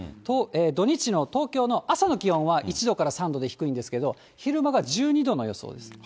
土日の東京の朝の気温は、１度から３度で低いんですけど、昼間が１２度の予想です。